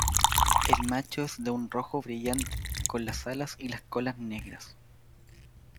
El macho es de un rojo brillante con las alas y la cola negras.